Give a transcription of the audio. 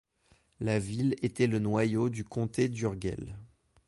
La ville était le noyau du Comté d'Urgell.